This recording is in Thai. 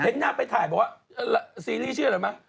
นางไปถ่ายบอกว่าซีรีส์ชื่ออะไรมั้